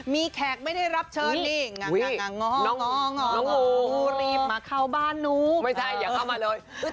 มีแขกไม่ได้รับเชิญนี่รีบมาเข้าบ้านหนูไม่ใช่อย่าเข้ามาเลย